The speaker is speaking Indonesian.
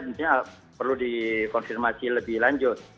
tentunya perlu dikonfirmasi lebih lanjut